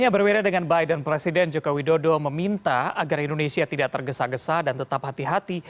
berbeda dengan biden presiden jokowi dodo meminta agar indonesia tidak tergesa gesa dan tetap hati hati